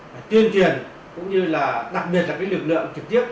phải tuyên truyền cũng như là đặc biệt là cái lực lượng trực tiếp